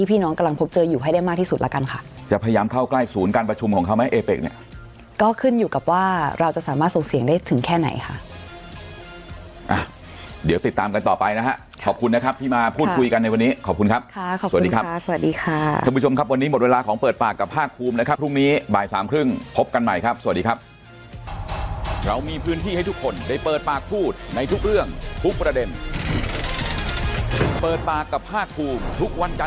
พบเจออยู่ให้ได้มากที่สุดแล้วกันค่ะจะพยายามเข้าใกล้ศูนย์การประชุมของเขาไหมเอเปกเนี่ยก็ขึ้นอยู่กับว่าเราจะสามารถส่งเสียงได้ถึงแค่ไหนค่ะอ่ะเดี๋ยวติดตามกันต่อไปนะฮะขอบคุณนะครับที่มาพูดคุยกันในวันนี้ขอบคุณครับค่ะขอบคุณค่ะสวัสดีค่ะคุณผู้ชมครับวันนี้หมดเวลาของเปิดปากกับภา